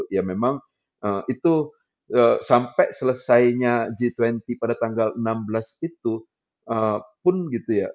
ya memang itu sampai selesainya g dua puluh pada tanggal enam belas itu pun gitu ya